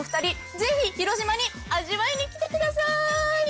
ぜひ広島に味わいに来てくださーい！